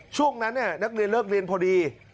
ช่วงนั้นนักเรียนเลิกเรียนพอดี